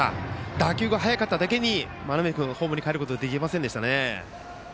打球が速かっただけに真鍋君、ホームにかえることができませんでしたね。